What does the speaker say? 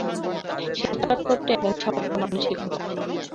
সে চটপটে এবং শক্ত মানসিকতার।